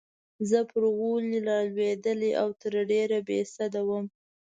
زه پر غولي رالوېدلې او تر ډېره بې سده وم.